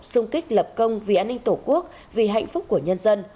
xung kích lập công vì an ninh tổ quốc vì hạnh phúc của nhân dân